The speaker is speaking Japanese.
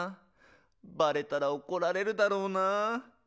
バレたらおこられるだろうな。